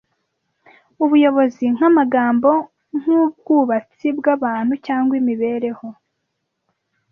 ubuyobozi nkamagambo nkubwubatsi bwabantu cyangwa imibereho